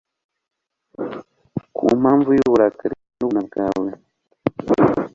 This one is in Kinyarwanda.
ku mpamvu y'uburakari n'ubukana bwawe